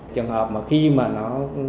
trường hợp mà khi mà nó